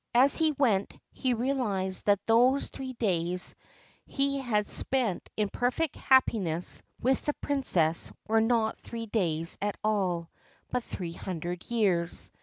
As he went, he realised that those three days he had spent in perfect happiness with the Princess were not three days at all, but three hundred years.